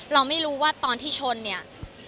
เราไม่รู้ว่าตอนที่ชนเนี่ย